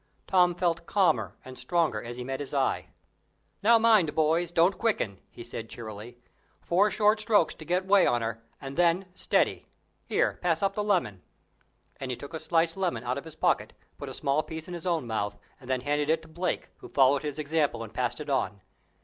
Tom felt calmer and stronger, as he met his eye. "Now mind, boys, don't quicken," he said, cheerily; "four short strokes to get way on her, and then, steady. Here, pass up the lemon." And he took a sliced lemon out of his pocket, put a small piece in his own mouth, and then handed it to Blake, who followed his example, and passed it on.